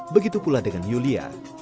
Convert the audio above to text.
begitu pula dengan yulia